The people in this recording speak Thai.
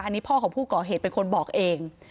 อันนี้พ่อของผู้ก่อเหตุเป็นคนบอกเอง